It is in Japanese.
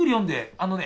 あのね